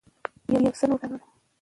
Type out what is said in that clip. يو څو نور مثالونه